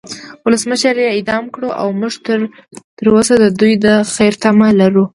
ولسمشر یی را اعدام کړو او مونږ تروسه د دوی د خیر تمه لرو